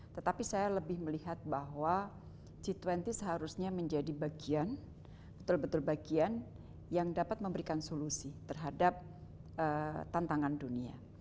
tetapi saya lebih melihat bahwa g dua puluh seharusnya menjadi bagian betul betul bagian yang dapat memberikan solusi terhadap tantangan dunia